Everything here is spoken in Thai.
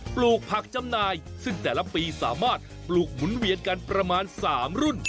ปลูกผักจำหน่ายซึ่งแต่ละปีสามารถปลูกหมุนเวียนกันประมาณ๓รุ่น